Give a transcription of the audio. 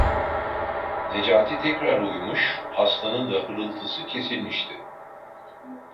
Necati tekrar uyumuş, hastanın da hırıltısı kesilmişti.